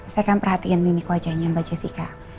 saya kan perhatikan mimik wajahnya mbak jessica